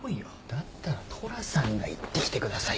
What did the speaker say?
だったら虎さんが行ってきてくださいよ。